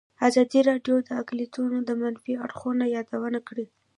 ازادي راډیو د اقلیتونه د منفي اړخونو یادونه کړې.